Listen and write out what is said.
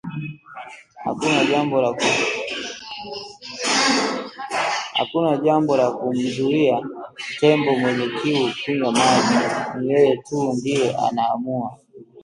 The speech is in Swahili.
“Hakuna jambo la kumzuia tembo mwenye kiu kunywa maji” ni yeye tu ndiye anaamua